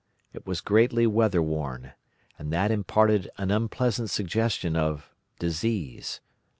It was greatly weather worn, and that imparted an unpleasant suggestion of disease.